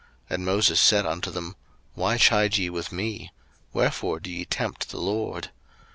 And Moses said unto them, Why chide ye with me? wherefore do ye tempt the LORD?